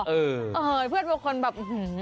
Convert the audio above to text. เออเพื่อนคนแบบ